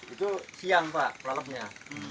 itu siang pak kelopnya